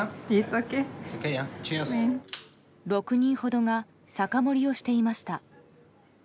６人ほどが酒盛りをしていました。